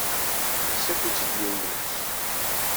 Yessaki-tt-id yiwen n lḥess.